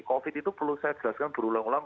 covid itu perlu saya jelaskan berulang ulang